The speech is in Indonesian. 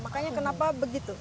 makanya kenapa begitu